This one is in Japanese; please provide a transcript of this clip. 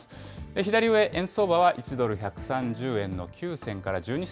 左上、円相場は１ドル１３０円の９銭から１２銭。